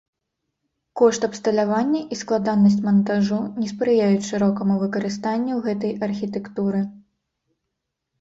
Кошт абсталявання і складанасць мантажу не спрыяюць шырокаму выкарыстанню гэтай архітэктуры.